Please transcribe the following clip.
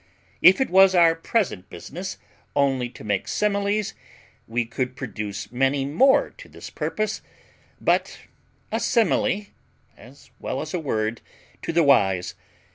If it was our present business only to make similes, we could produce many more to this purpose; but a simile (as well as a word) to the wise.